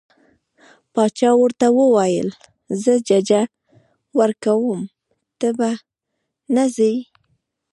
باچا ورته وویل زه ججه ورکوم ته به نه ځې.